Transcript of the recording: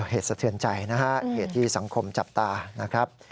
เหตุสะเทือนใจนะฮะเหตุที่สังคมจับตานะครับ